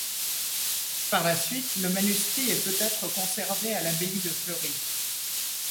Par la suite, la manuscrit est peut-être conservé à l'abbaye de Fleury.